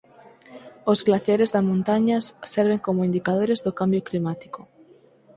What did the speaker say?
Os glaciares da montañas serven como indicadores do cambio climático.